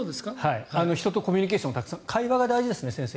人とコミュニケーションをたくさん先生、会話が大事ですよね。